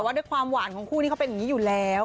ว่าด้วยความหวานของคู่นี้เขาเป็นอย่างนี้อยู่แล้ว